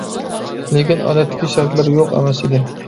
لېكىن ئادەتتىكى شەرتلەر يوق ئەمەس ئىدى.